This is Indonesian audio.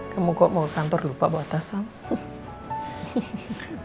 kamu kok ke kantor lupa bawa tas kok